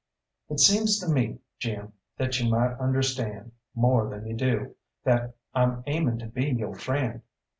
"It seems to me, Jim, that you might understand, more than you do, that I'm aiming to be yo' friend.